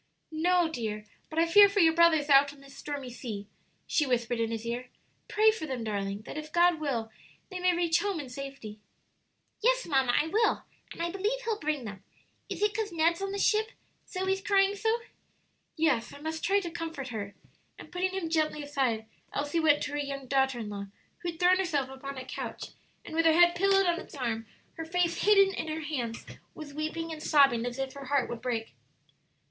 "No, dear; but I fear for your brothers out on this stormy sea," she whispered in his ear. "Pray for them, darling, that if God will, they may reach home in safety." "Yes, mamma, I will; and I believe He'll bring them. Is it 'cause Ned's in the ship Zoe's crying so?" "Yes; I must try to comfort her." And putting him gently aside, Elsie went to her young daughter in law, who had thrown herself upon a couch, and with her head pillowed on its arm, her face hidden in her hands, was weeping and sobbing as if her heart would break.